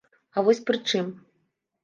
А вось пры чым.